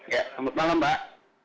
ya selamat malam mbak